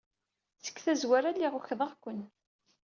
Deg tazwara, lliɣ ukḍeɣ-ken.